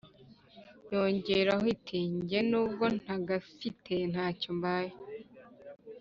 Yongeraho iti: “Nge n’ubwo ntagafite ntacyo mbaye